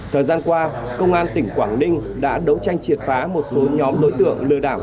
thời gian qua công an tỉnh quảng ninh đã đấu tranh triệt phá một số nhóm đối tượng lừa đảo